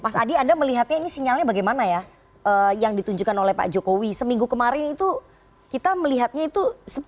mas adi anda melihatnya ini sinyalnya bagaimana ya yang ditunjukkan oleh pak jokowi seminggu kemarin itu kita melihatnya itu